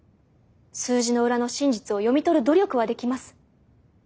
数字の裏の真実を読み取る努力はできます。